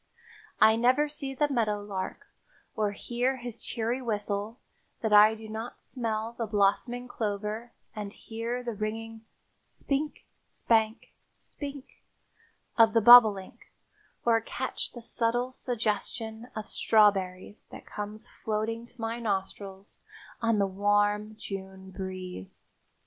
I never see the meadow lark or hear his cheery whistle that I do not smell the blossoming clover and hear the ringing "spink, spank, spink" of the bobolink or catch the subtle suggestion of strawberries that comes floating to my nostrils on the warm June breeze.